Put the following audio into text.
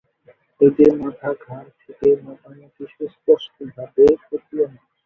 এদের মাথা, ঘাড় থেকে মোটামুটি সুস্পষ্টভাবে প্রতীয়মান।